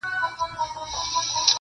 o که را مخ زما پر لور هغه صنم کا,